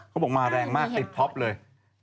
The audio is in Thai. เขาบอกมาแรงมากติดท็อปเลย